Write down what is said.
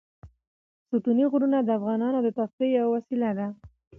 ستوني غرونه د افغانانو د تفریح یوه وسیله ده.